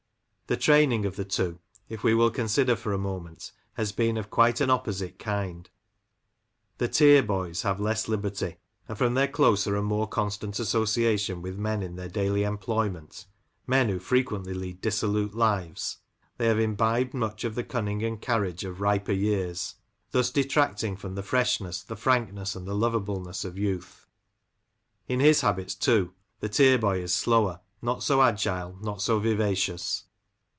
The training of the two, if we will consider for a moment, has been of quite an opposite kind. The Tier boys have less liberty, and from their closer and more constant association with men in their daily employment — men who frequently lead dissolute lives — ^thiey have imbibed much of the cunning and carriage of riper years, thus detracting from the freshness, the frankness, and the loveableness of youth. In his habits, too, the Tier boy is slower, not so agile, not so vivacious.